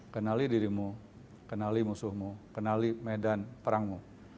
kenali dirimu kenali musuhmu kenali medan perangmu